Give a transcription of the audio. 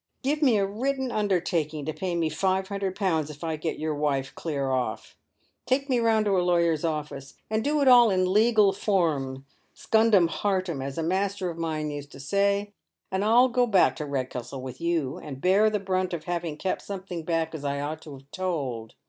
Give me a written' undertaking to pay me five hundred pounds if I get your wife clear off. Take me round to a lawyer's office, and do it all in legal form scundem hartem, as a master of mine used to say, and I'll go back to Redcastle with you and bear the brunt of having kept something back as I ought to have told.